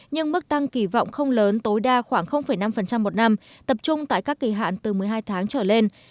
nhưng mức tăng kỳ vọng không lớn tối đa khoảng năm một năm tập trung tại các kỳ hạn từ một mươi hai tháng trở lên